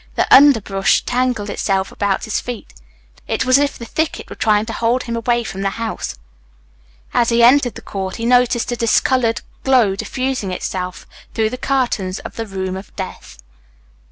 The underbrush tangled itself about his feet. It was as if the thicket were trying to hold him away from the house. As he entered the court he noticed a discoloured glow diffusing itself through the curtains of the room of death.